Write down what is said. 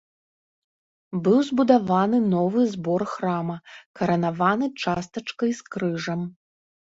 Быў збудаваны новы збор храма, каранаваны частачкай з крыжам.